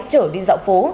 chở đi dạo phố